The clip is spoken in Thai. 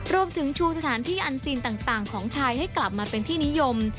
รวมถึงชูสถานที่อันซีนต่างของไทยให้กลับมาเป็นที่นิยม